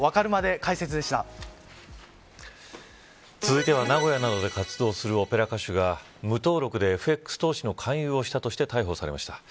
引き続いては、名古屋などで活動するオペラ歌手が無登録でＦＸ投資の勧誘をしたとして逮捕されました。